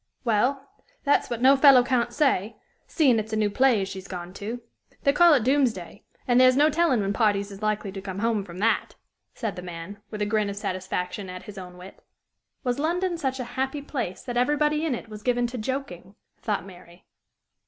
"Well, that's what no fellow can't say, seein' its a new play as she's gone to. They call it Doomsday, an' there's no tellin' when parties is likely to come 'ome from that," said the man, with a grin of satisfaction at his own wit. Was London such a happy place that everybody in it was given to joking, thought Mary.